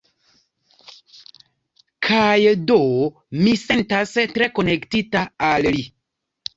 Kaj do mi sentas tre konektita al li.